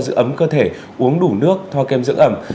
giữ ấm cơ thể uống đủ nước thoa kem dưỡng ẩm